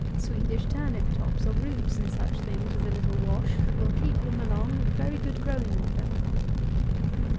Swedish turnip tops or roots, and such things, with a little wash, will keep him along in very good growing order.